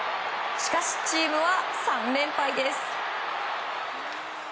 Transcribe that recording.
しかし、チームは３連敗です。